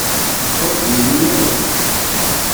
Ur d-yenni awal.